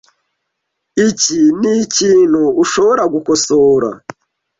Iki nikintu ushobora gukosora .